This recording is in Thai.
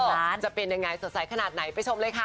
หนึ่งล้านจะเป็นยังไงสดใสขนาดไหนไปชมเลยค่ะ